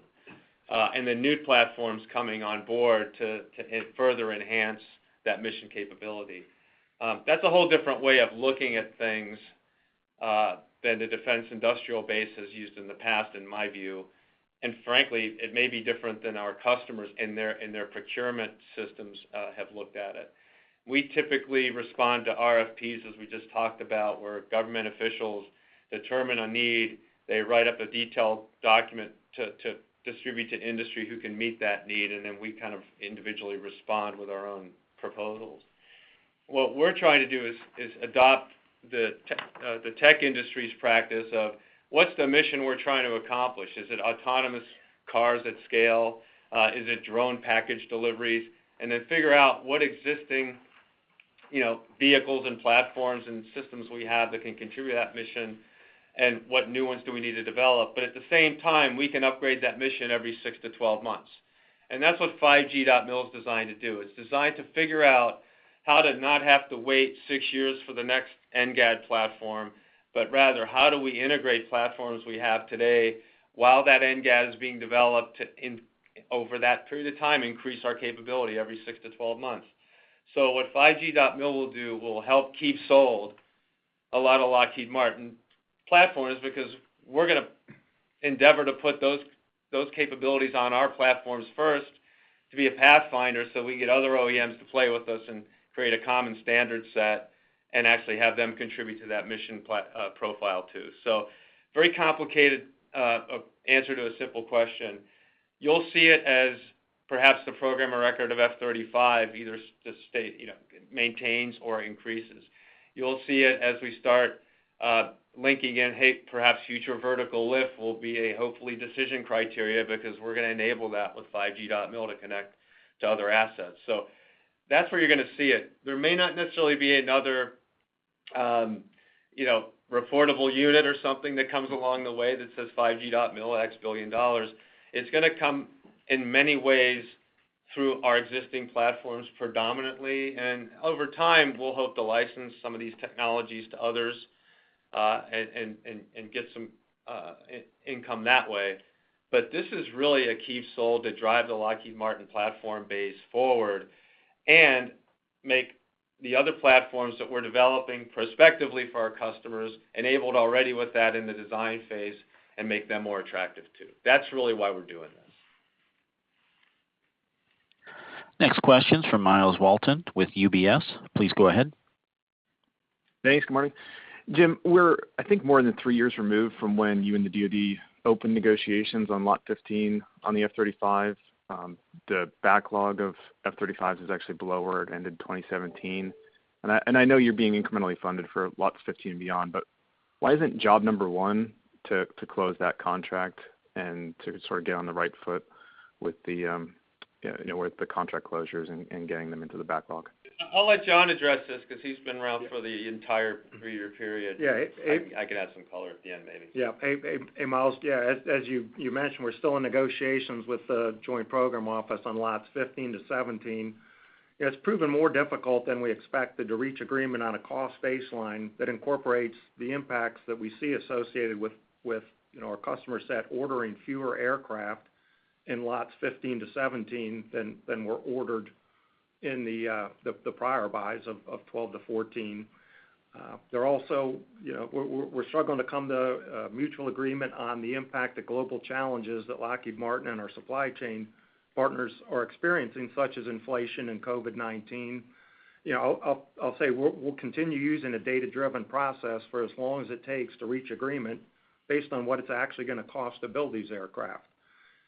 The new platforms coming on board to further enhance that mission capability. That's a whole different way of looking at things than the defense industrial base has used in the past, in my view. Frankly, it may be different than our customers and their procurement systems have looked at it. We typically respond to RFPs, as we just talked about, where government officials determine a need, they write up a detailed document to distribute to industry who can meet that need, and then we kind of individually respond with our own proposals. What we're trying to do is adopt the tech industry's practice of what's the mission we're trying to accomplish? Is it autonomous cars at scale? Is it drone package deliveries? And then figure out what existing, you know, vehicles and platforms and systwhatems we have that can contribute to that mission and what new ones do we need to develop. At the same time, we can upgrade that mission every 6-12 months. That's what 5G.MIL is designed to do. It's designed to figure out how to not have to wait six years for the next NGAD platform. Rather, how do we integrate platforms we have today while that NGAD is being developed to, in, over that period of time, increase our capability every 6-12 months? What 5G.MIL will do will help keep sold a lot of Lockheed Martin platforms because we're gonna endeavor to put those capabilities on our platforms first to be a pathfinder, so we get other OEMs to play with us and create a common standard set and actually have them contribute to that mission profile too. Very complicated answer to a simple question. You'll see it as perhaps the program of record of F-35, either just stay, you know, maintains or increases. You'll see it as we start linking in, perhaps Future Vertical Lift will be a hopefully decision criteria because we're going to enable that with 5G.MIL to connect to other assets. That's where you're going to see it. There may not necessarily be another, you know, reportable unit or something that comes along the way that says 5G.MIL $X billion. It's gonna come in many ways through our existing platforms predominantly. And over time, we'll hope to license some of these technologies to others and get some income that way. This is really a key enabler to drive the Lockheed Martin platform base forward and make the other platforms that we're developing prospectively for our customers enabled already with that in the design phase and make them more attractive too. That's really why we're doing this. Next question is from Myles Walton with UBS. Please go ahead. Thanks. Good morning. Jim, we're, I think, more than three years removed from when you and the Department of Defense opened negotiations on lot 15 on the F-35. The backlog of F-35s is actually below where it ended 2017. I know you're being incrementally funded for Lots 15 and beyond, but why isn't job number one to close that contract and to sort of get on the right foot with the, you know, with the contract closures and getting them into the backlog? I'll let John address this because he's been around for the entire 3-year period. Yeah. I can add some color at the end, maybe. Hey, Myles. As you mentioned, we're still in negotiations with the Joint Program Office on Lot 15-17. It's proven more difficult than we expected to reach agreement on a cost baseline that incorporates the impacts that we see associated with, you know, our customer set ordering fewer aircraft in Lot15-17 than were ordered in the prior buys of Lot 12-14. They're also, you know, we're struggling to come to a mutual agreement on the impact of global challenges that Lockheed Martin and our supply chain partners are experiencing, such as inflation and COVID-19. You know, I'll say we'll continue using a data-driven process for as long as it takes to reach agreement based on what it's actually gonna cost to build these aircraft,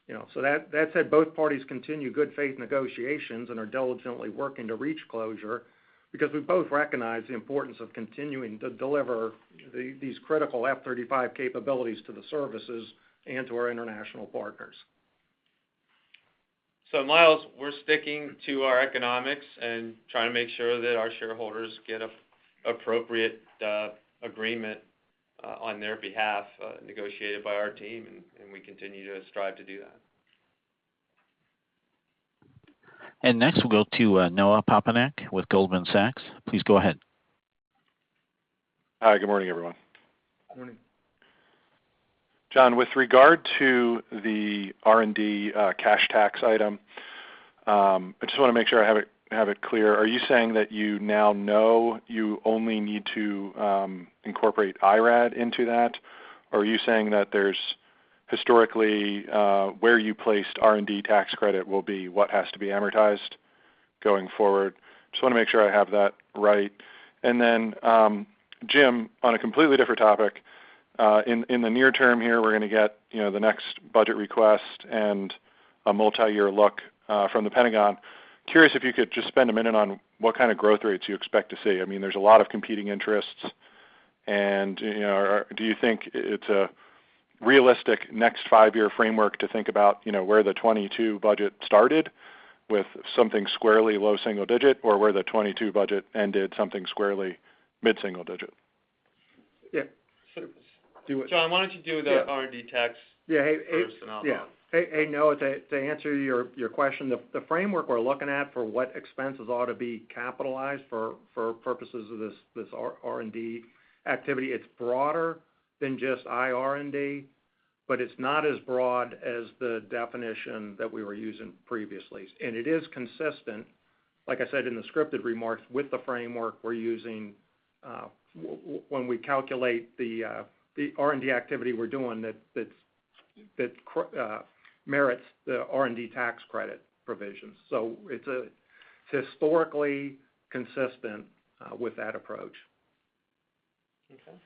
you know. That said, both parties continue good faith negotiations and are diligently working to reach closure because we both recognize the importance of continuing to deliver these critical F-35 capabilities to the services and to our international partners. Myles, we're sticking to our economics and trying to make sure that our shareholders get a appropriate agreement on their behalf, negotiated by our team, and we continue to strive to do that. Next, we'll go to Noah Poponak with Goldman Sachs. Please go ahead. Hi, good morning, everyone. Morning. John, with regard to the R&D cash tax item, I just wanna make sure I have it clear. Are you saying that you now know you only need to incorporate IR&D into that? Or are you saying that there's historically where you placed R&D tax credit will be what has to be amortized going forward? Just wanna make sure I have that right. Jim, on a completely different topic, in the near term here, we're gonna get, you know, the next budget request and a multi-year look from the Pentagon. Curious if you could just spend a minute on what kind of growth rates you expect to see. I mean, there's a lot of competing interests. You know, do you think it's a realistic next 5-year framework to think about, you know, where the 2022 budget started with something squarely low single digit, or where the 2022 budget ended something squarely mid-single digit? Yeah. John, why don't you do the R&D tax- Yeah. Hey. First and I'll follow up. Hey, Noah, to answer your question, the framework we're looking at for what expenses ought to be capitalized for purposes of this R&D activity, it's broader than just IR&D, but it's not as broad as the definition that we were using previously. It is consistent, like I said in the scripted remarks, with the framework we're using when we calculate the R&D activity we're doing that merits the R&D tax credit provisions. It's historically consistent with that approach. Okay.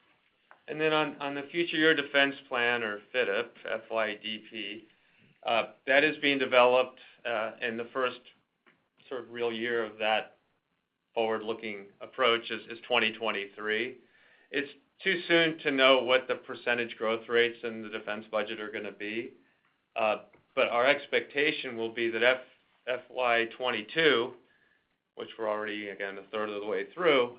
On the Future Years Defense Program or FYDP, F-Y-D-P, that is being developed, in the first sort of real year of that forward-looking approach is 2023. It's too soon to know what the percentage growth rates in the defense budget are gonna be. Our expectation will be that FY 2022, which we're already a third of the way through,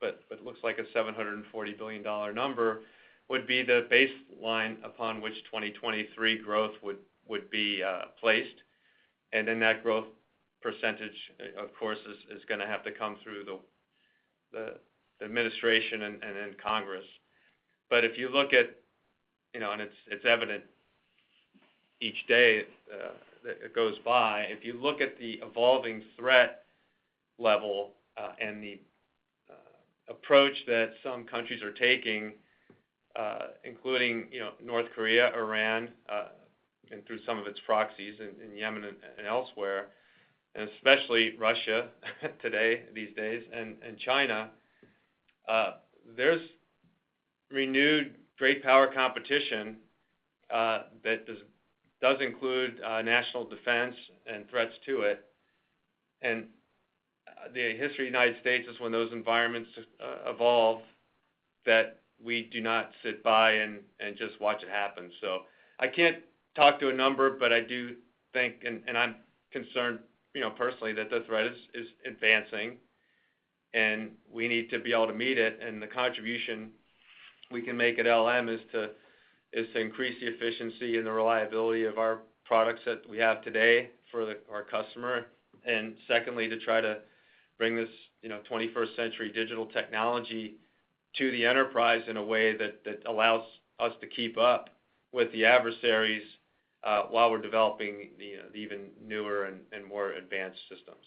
but it looks like a $740 billion number, would be the baseline upon which 2023 growth would be placed. That growth percentage, of course, is gonna have to come through the administration and then Congress. If you look at, you know, and it's evident each day that goes by, if you look at the evolving threat level and the approach that some countries are taking, including, you know, North Korea, Iran, and through some of its proxies in Yemen and elsewhere, and especially Russia today, these days, and China, there's renewed great power competition that does include national defense and threats to it. The history of the United States is when those environments evolve, that we do not sit by and just watch it happen. I can't talk to a number, but I do think I'm concerned, you know, personally, that the threat is advancing and we need to be able to meet it, and the contribution we can make at LM is to increase the efficiency and the reliability of our products that we have today for our customer. Secondly, to try to bring this, you know, twenty-first century digital technology to the enterprise in a way that allows us to keep up with the adversaries while we're developing the even newer and more advanced systems.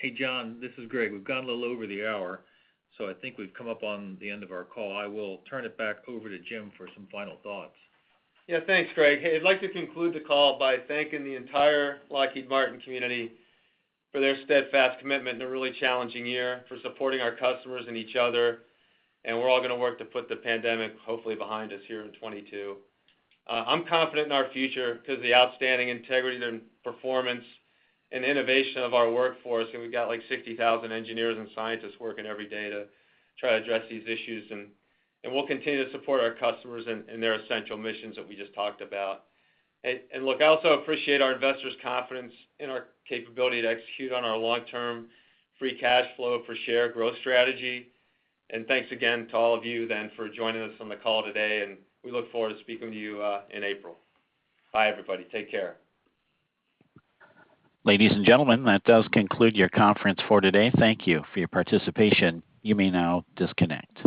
Hey, John, this is Greg. We've gone a little over the hour, so I think we've come up on the end of our call. I will turn it back over to Jim for some final thoughts. Yeah. Thanks, Greg. Hey, I'd like to conclude the call by thanking the entire Lockheed Martin community for their steadfast commitment in a really challenging year, for supporting our customers and each other, and we're all gonna work to put the pandemic, hopefully, behind us here in 2022. I'm confident in our future because of the outstanding integrity and performance and innovation of our workforce, and we've got, like, 60,000 engineers and scientists working every day to try to address these issues. We'll continue to support our customers in their essential missions that we just talked about. Look, I also appreciate our investors' confidence in our capability to execute on our long-term free cash flow per share growth strategy. Thanks again to all of you then for joining us on the call today, and we look forward to speaking to you in April. Bye, everybody. Take care. Ladies and gentlemen, that does conclude your conference for today. Thank you for your participation. You may now disconnect.